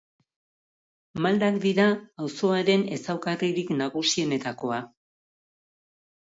Maldak dira, auzoaren ezaugarririk nagusienetakoa.